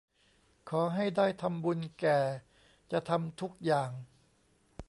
ขอให้ได้ทำบุญแก่จะทำทุกอย่าง